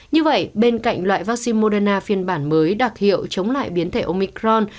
như vậy bên cạnh loại vaccine moderna phiên bản mới đặc hiệu chống lại biến thể omicron